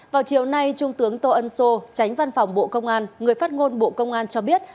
vào chiều nay trung tướng tô ân sô tránh văn phòng bộ công an người phát ngôn bộ công an cho biết